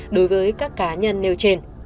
đối với các cá nhân nêu trên